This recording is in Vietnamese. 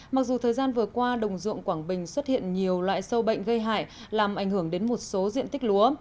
mặc dù thời gian vừa qua đồng ruộng quảng bình xuất hiện nhiều loại sâu bệnh gây hại làm ảnh hưởng đến một số diện tích lúa